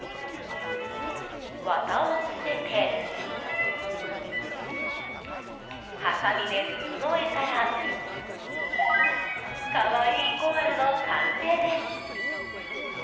綿を詰めて、はさみで整えたら可愛いコアラの完成です。